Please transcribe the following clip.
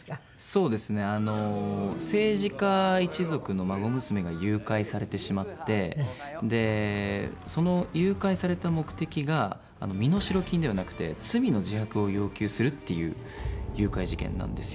そうですねあの政治家一族の孫娘が誘拐されてしまってその誘拐された目的が身代金ではなくて罪の自白を要求するっていう誘拐事件なんですよ。